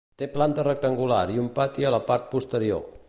Té planta rectangular i un pati a la part posterior.